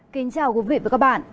kính chào quý vị và các bạn